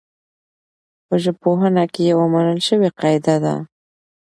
په ژبپوهنه کي يوه منل سوې قاعده ده.